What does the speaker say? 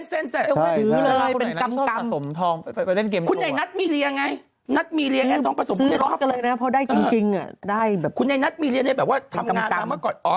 สมมุติสุดและได้จริงอย่างได้แบบคุณอย่างนัดมีเรียนได้แบบว่ากลางมาก่อนอ๋อ